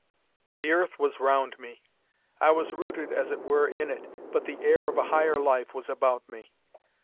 The earth was round me—I was rooted, as it were, in it, but the air of a higher life was about me.